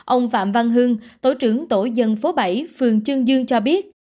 ông phạm văn hưng tổ trưởng tổ dân phố bảy phường trương dương cho biết